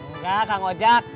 enggak kang ojak